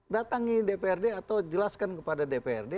datangi dprd atau jelaskan kepada dprd